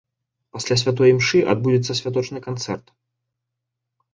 Пасля святой імшы адбудзецца святочны канцэрт.